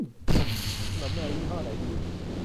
ขนมแมว ยี่ห้อไหนดี